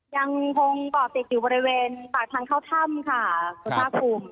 ยังคงตอบติดอยู่บริเวณตากทางเข้าถ้ำค่ะสวัสดีครับ